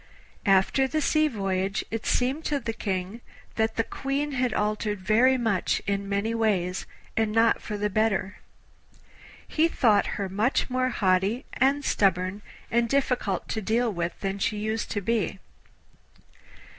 After the sea voyage it seemed to the King that the Queen had altered very much in many ways, and not for the better. He thought her much more haughty and stubborn and difficult to deal with than she used to be.